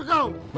aku mau ke kantor